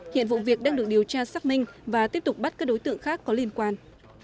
hiện vụ việc đang được điều tra xác minh và tiếp tục bắt các đối tượng khác có liên quan